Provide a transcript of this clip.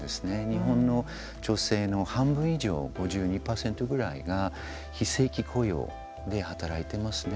日本の女性の半分以上５２％ぐらいが非正規雇用で働いてますね。